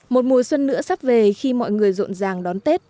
một mùa xuân nữa sắp về khi mọi người rộn ràng đón tết